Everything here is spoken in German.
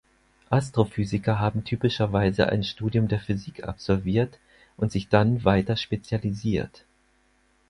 Astrophysiker haben typischerweise ein Studium der Physik absolviert und sich dann weiter spezialisiert.